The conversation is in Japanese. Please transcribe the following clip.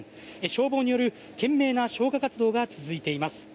消防による、懸命な消火活動が続いています。